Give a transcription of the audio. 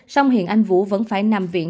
xong hiện anh vũ vẫn phải nằm viện